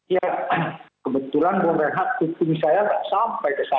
ya kebetulan mohon maaf tutupi saya saya tidak sampai ke sana